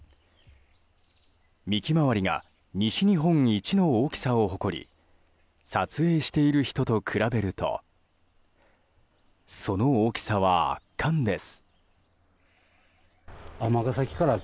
幹周りが西日本一の大きさを誇り撮影している人と比べるとその大きさは圧巻です。